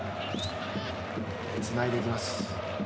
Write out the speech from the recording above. つないでいきます。